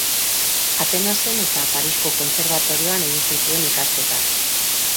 Atenasen eta Parisko kontserbatorioan egin zituen ikasketak.